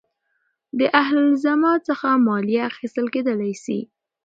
د اهل الذمه څخه مالیه اخیستل کېدلاى سي.